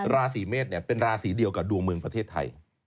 ราศีเมษเป็นราศีเดียวกับดวงเมืองประเทศไทย